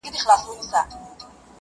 نغمه راغبرګه کړله؛